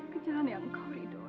kejalannya yang kau rido ya